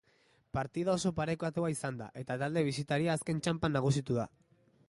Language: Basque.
Partida oso parekatua izan da, eta talde bisitaria azken txanpan nagusitu da.